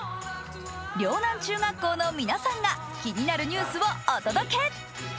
陵南中学校の皆さんが気になるニュースをお届け。